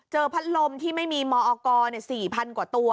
พัดลมที่ไม่มีมอก๔๐๐กว่าตัว